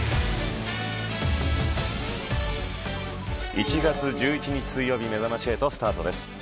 １月１１日水曜日めざまし８スタートです。